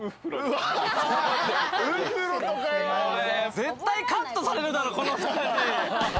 絶対カットされるだろ、この２人。